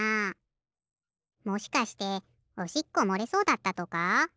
もしかしておしっこもれそうだったとか？